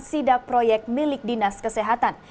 sidak proyek milik dinas kesehatan